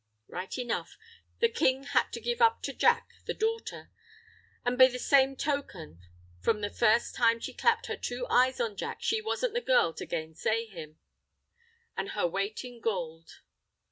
Right enough, the king had to give up to Jack the daughter—an' be the same token, from the first time she clapped her two eyes on Jack she wasn't the girl to gainsay him—an' her weight in goold.